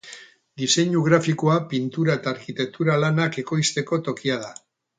Diseinu grafikoa, pintura eta arkitektura lanak ekoizteko tokia da.